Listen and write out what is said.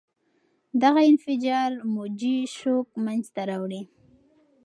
دغه انفجار موجي شوک منځته راوړي.